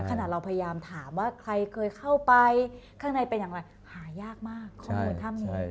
ขนาดเราพยายามถามว่าใครเคยเข้าไปข้างในเป็นอย่างไรหายากมากข้อมูลถ้ำนี้